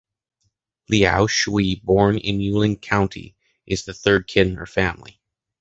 Liao Shuhui, born in Yunlin County, is the third kid in her family.